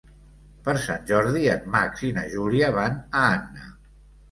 Per Sant Jordi en Max i na Júlia van a Anna.